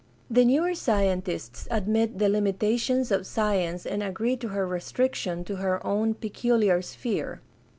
The newer scientists admit the limitations of science and agree to her restriction to her own peculiar sphere.